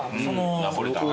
ナポリタン。